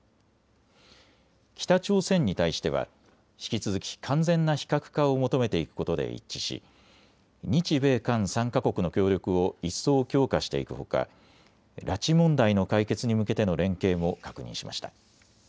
北朝鮮に対しては引き続き完全な非核化を求めていくことで一致し日米韓３か国の協力を一層強化していくほか、拉致問題の解決に向けての連携も確認しました。